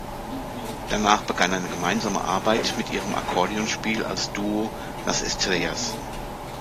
Danach begann eine gemeinsame Arbeit mit ihrem Akkordeonspiel als Duo „Las Estrellas“.